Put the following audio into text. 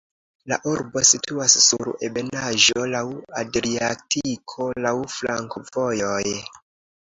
La urbo situas sur ebenaĵo, laŭ Adriatiko, laŭ flankovojoj.